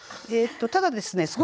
ただですね